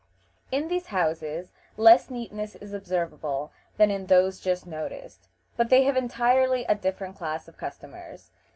In these houses less neatness is observable than in those just noticed, but they have entirely a different class of customers.